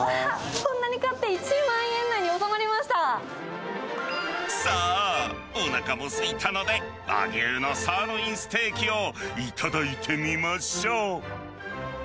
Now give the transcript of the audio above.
こんなに買って１万円以内にさあ、おなかもすいたので、和牛のサーロインステーキを頂いてみましょう。